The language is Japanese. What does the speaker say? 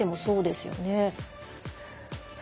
そうですね。